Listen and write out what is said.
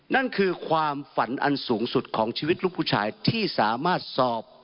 นั่นคือความฝันอันสูงสุดของชีวิตลูกผู้ชายที่สามารถสอบ